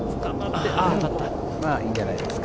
まぁいいんじゃないですか。